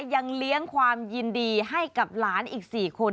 ยังเลี้ยงความยินดีให้กับหลานอีก๔คน